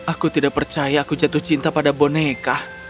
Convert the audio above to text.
aku tidak percaya aku jatuh cinta pada boneka